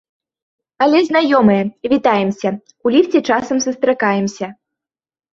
Але знаёмыя, вітаемся, у ліфце часам сустракаемся.